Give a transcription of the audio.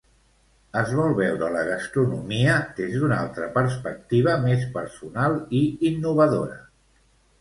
Es vol veure la gastronomia des d'una altra perspectiva més personal i innovadora.